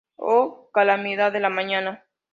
Oh calamidad de la mañana!